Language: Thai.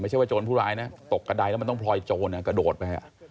เชื่อว่าโจรผู้ร้ายนะตกกระดายแล้วมันต้องพลอยโจรกระโดดไป